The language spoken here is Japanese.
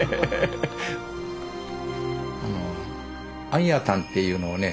「あんやたん」っていうのをね